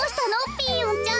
ピーヨンちゃん。